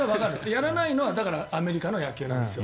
やらないのはアメリカの野球なんですよ。